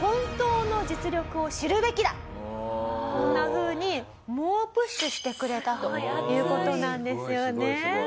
こんなふうに猛プッシュしてくれたという事なんですよね。